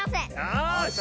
よし！